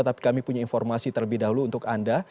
tapi kami punya informasi terlebih dahulu untuk anda